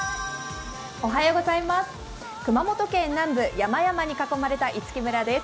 熊本県南部、山々に囲まれた五木村です。